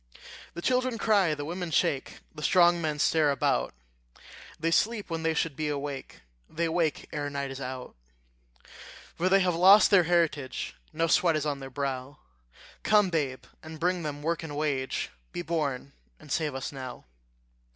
The children cry, the women shake, The strong men stare about; They sleep when they should be awake, They wake ere night is out. For they have lost their heritage No sweat is on their brow: Come, babe, and bring them work and wage; Be born, and save us now.